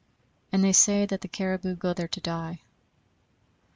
And they say that the caribou go there to die.